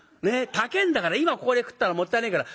高えんだから今ここで食ったらもったいねえからうちへ」。